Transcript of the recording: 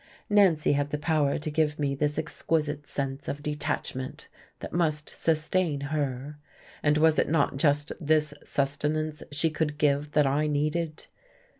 Nancy had the power to give me this exquisite sense of detachment that must sustain her. And was it not just this sustenance she could give that I needed?